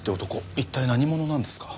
一体何者なんですか？